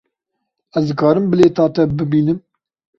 Ez dikarim bilêta te bibînim?